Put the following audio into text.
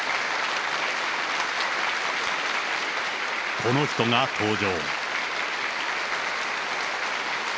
この人が登場。